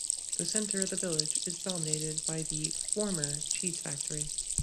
The centre of the village is dominated by the former cheese factory.